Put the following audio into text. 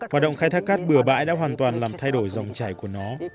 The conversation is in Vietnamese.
hoạt động khai thác cát bừa bãi đã hoàn toàn làm thay đổi dòng chảy của nó